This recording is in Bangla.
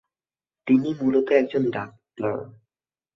তিনি মূলত একজন ডাক্তার।